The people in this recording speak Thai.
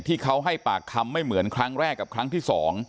ที่เขาให้ปากคำไม่เหมือนครั้งแรกกับครั้งที่๒